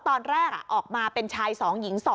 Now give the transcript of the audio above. ตอนแรกออกมาเป็นชาย๒หญิง๒